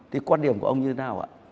thì quan điểm của ông như thế nào ạ